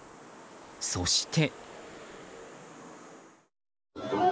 そして。